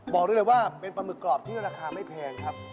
บอกได้เลยว่าเป็นปลาหมึกกรอบที่ราคาไม่แพงครับ